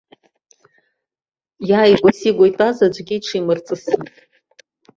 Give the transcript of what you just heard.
Иааигәа-сигәа итәаз аӡәгьы иҽимирҵысит.